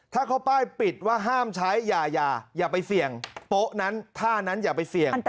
ถ้าเขาป้ายปิดว่าห้ามใช้อย่าอย่าไปเสี่ยงโป๊ะนั้นท่านั้นอย่าไปเสี่ยง